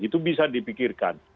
itu bisa dipikirkan